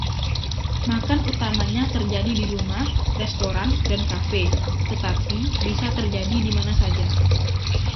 Makan utamanya terjadi di rumah, restoran, dan kafe, tetapi bisa terjadi di mana saja.